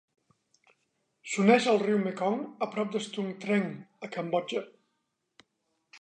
S'uneix al riu Mekong a prop de Stung Treng, a Cambodja.